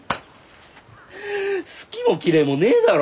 好きも嫌いもねえだろ。